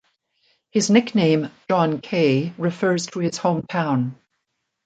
His nickname "John Kei" refers to his hometown.